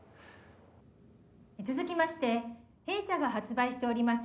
続きまして弊社が発売しております